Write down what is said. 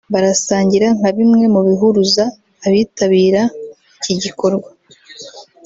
barasangira nka bimwe mu bihuruza abitabira iki gikorwa